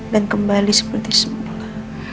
dan kembali seperti semula